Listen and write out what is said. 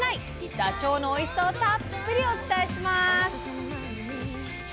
ダチョウのおいしさをたっぷりお伝えします。